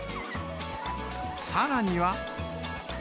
さらには。